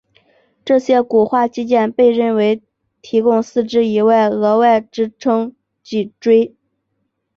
这些骨化肌腱被认为提供四肢以外的额外支撑脊椎。